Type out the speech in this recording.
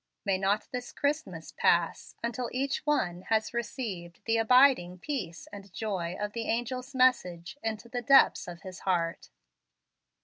May not this Christmas pass until each one has received the abiding peace and joy of the angel's message into the depths of his heart."